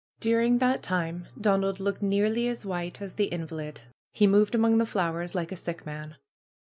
During that time Donald looked nearly as white as the invalid. He moved among the flowers like a sick man.